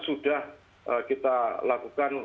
sudah kita lakukan